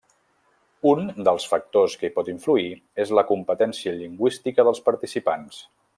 Un dels factors que hi pot influir és la competència lingüística dels participants.